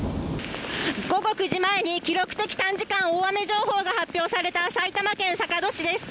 午後９時前に記録的短時間大雨情報が発表された埼玉県坂戸市です。